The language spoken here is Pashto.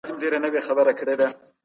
هغه علمي مطالعه ګټوره بلله.